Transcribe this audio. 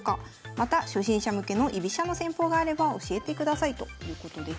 また初心者向けの居飛車の戦法があれば教えてください」ということです。